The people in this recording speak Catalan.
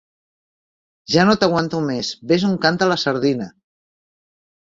Ja no t'aguanto més. Vés on canta la sardina!